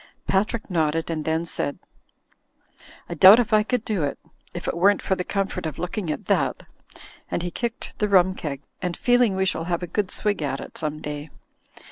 Patrick nodded, and then said: "I doubt if I could do it, if it weren't for the com THE REPUBLIC OF PEACEWAYS 225 fort of looking at that," and he kicked the rum keg, "and feeling we shall have a good swig at it some day.